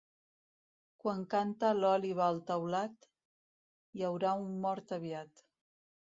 Quan canta l'òliba al teulat, hi haurà un mort aviat.